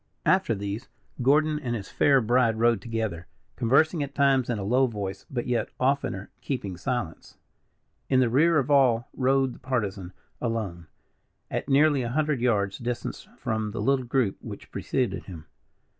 After these, Gordon and his fair bride rode together, conversing at times in a low voice, but yet oftener keeping silence. In the rear of all rode the Partisan, alone, at nearly a hundred yards distance from the little group which preceded him.